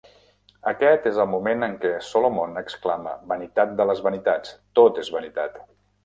Aquest és el moment en què Solomon exclama: "Vanitat de les vanitats, tot és vanitat!".